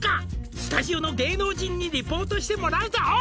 「スタジオの芸能人にリポートしてもらうぞ」